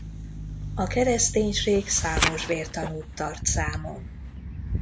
A kereszténység számos vértanút tart számon.